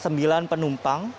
yang berhasil menunjukkan hasilnya